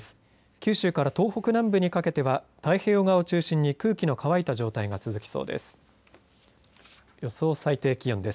九州から東北南部にかけては太平洋側を中心に空気の乾いた状態が続きそうです。